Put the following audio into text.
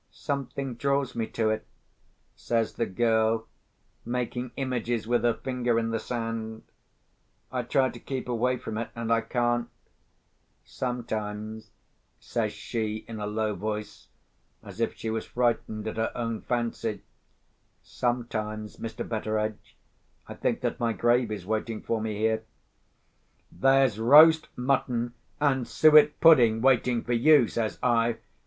"Something draws me to it," says the girl, making images with her finger in the sand. "I try to keep away from it, and I can't. Sometimes," says she in a low voice, as if she was frightened at her own fancy, "sometimes, Mr. Betteredge, I think that my grave is waiting for me here." "There's roast mutton and suet pudding waiting for you!" says I.